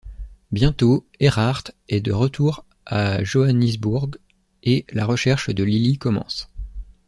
Bientôt, Erhard est de retour à Johannisburg et la recherche de Lilly commence.